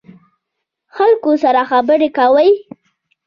خلکو سره خبرې کوئ؟